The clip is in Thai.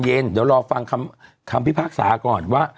เดี๋ยวรอฟังคำพิพากษาก่อนว่า